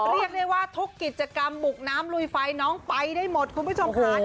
เรียกได้ว่าทุกกิจกรรมบุกน้ำลุยไฟน้องไปได้หมดคุณผู้ชมค่ะ